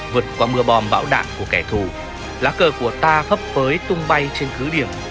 vượt qua mưa bom bão đạn của kẻ thù lá cờ của ta khắp phới tung bay trên cứ điểm